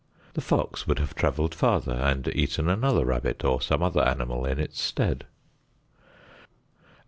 The fox would have traveled farther and eaten another rabbit or some other animal in its stead.